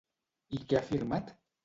I què ha firmat?